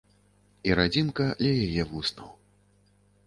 І радзімка ля яе вуснаў.